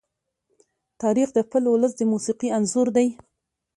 تاریخ د خپل ولس د موسیقي انځور دی.